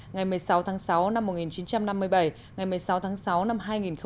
ngày một mươi sáu tháng sáu năm một nghìn chín trăm năm mươi bảy ngày một mươi sáu tháng sáu năm hai nghìn một mươi chín